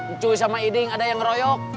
lucu sama iding ada yang ngeroyok